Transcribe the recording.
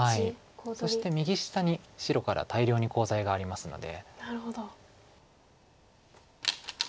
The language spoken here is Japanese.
そして右下に白から大量にコウ材がありますので。